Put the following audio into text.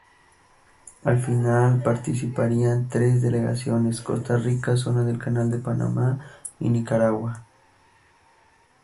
Al final participarían tres delegaciones: Costa Rica, Zona del Canal de Panamá, y, Nicaragua.